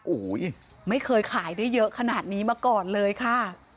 โอ้โหไม่เคยขายได้เยอะขนาดนี้มาก่อนเลยค่ะ